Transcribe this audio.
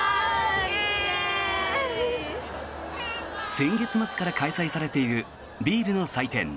先月末から開催されているビールの祭典